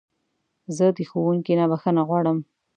زه د ښوونکي نه بخښنه غواړم.